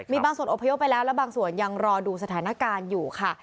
มีบางส่วนอพยพไปแล้วและบางส่วนยังรอดูสถานการณ์อยู่ค่ะ